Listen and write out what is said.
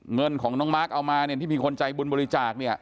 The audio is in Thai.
เงินของน้องมาร์คเอามาที่มีคนใจบุญบริจาค